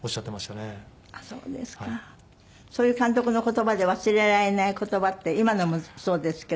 そういう監督の言葉で忘れられない言葉って今のもそうですけども。